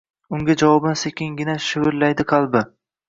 unga javoban sekingina shivirlaydi qalbi